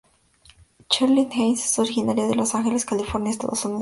Cheryl Hines es originaria de Los Ángeles, California, Estados Unidos.